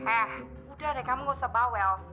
eh udah deh kamu gak usah bawel